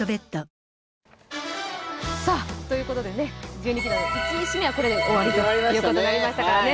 １２球団の１位指名はこれで終わるということになりましたね。